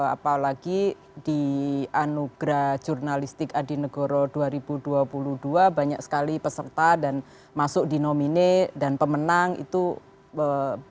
apalagi di anugerah jurnalistik adi negoro dua ribu dua puluh dua banyak sekali peserta dan masuk di nomine dan pemenang